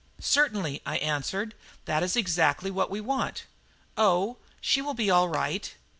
"Certainly," I answered. "That is exactly what we want. Oh, she will be all right."